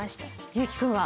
優樹君は？